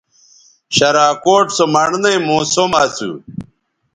شراکوٹ سو مڑنئ موسم اسُو